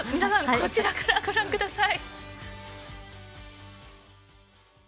こちらからご覧ください。